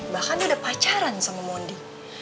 bahkan dia udah pacaran sama mondi